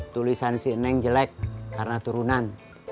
tulisan sineng jelek karena turunan